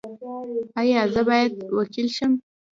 ایا زه باید وکیل شم؟